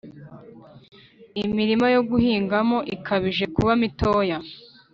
imirima yo guhingamo ikabije kuba mitoya